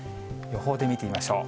予報で見てみましょう。